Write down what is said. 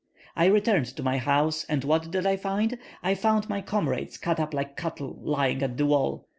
I returned to my house, and what did I find? I found my comrades cut up like cattle, lying at the wall.